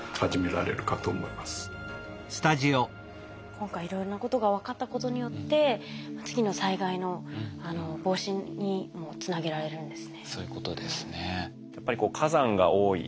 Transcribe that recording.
今回いろんなことが分かったことによって次の災害の防止にもつなげられるんですね。